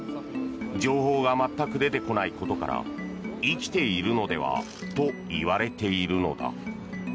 情報が全く出てこないことから生きているのではといわれているのだ。